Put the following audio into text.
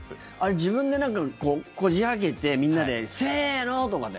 自分でこじ開けてみんなで、せーの！とかで。